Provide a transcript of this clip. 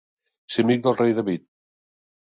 Ser amic del rei David.